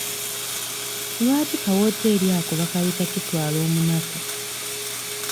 Lwaki ka wooteeri ako bakayita kitwaloomunaku?